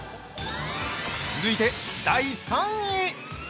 ◆続いて第３位。